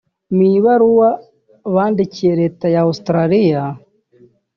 Mu ibaruwa bandikiye Leta ya Australia